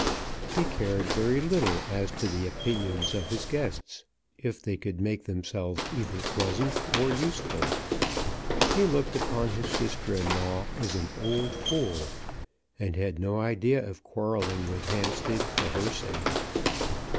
He cared very little as to the opinions of his guests, if they could make themselves either pleasant or useful. He looked upon his sister in law as an old fool, and had no idea of quarrelling with Hampstead for her sake.